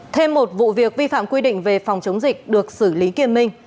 thêm một vụ việc vi phạm quy định về phòng chống dịch được xử lý kiên minh